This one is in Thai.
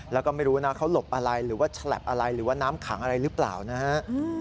แล้วก็ไม่รู้นะเขาหลบอะไรหรือว่าฉลับอะไรหรือว่าน้ำขังอะไรหรือเปล่านะฮะ